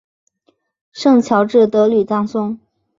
圣乔治德吕藏松。